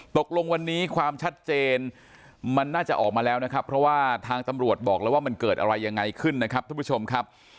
ตกลงวันนี้ความชัดเจนมันน่าจะออกมาแล้วนะครับเพราะว่าทางตำรวจบอกแล้วว่ามันเกิดอะไรยังไงขึ้นนะครับท่านผู้ชมครับ